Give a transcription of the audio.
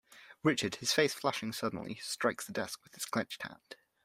Richard, his face flushing suddenly, strikes the desk with his clenched hand.